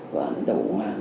và đồng bộ quán